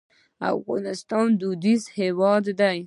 افغانستان دودیز هېواد دی.